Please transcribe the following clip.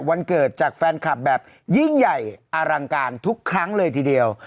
วันเกิดจากแฟนคลับแบบยิ่งใหญ่อลังการทุกครั้งเลยทีเดียว